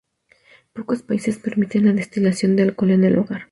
Pocos países permiten la destilación de alcohol en el hogar.